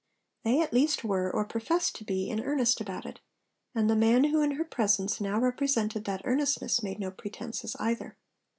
They at least were, or professed to be, in earnest about it; and the man who in her presence now represented that earnestness made no pretences either.